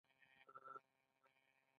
کاري ځواک مصرفي او مبادلوي ارزښت دواړه لري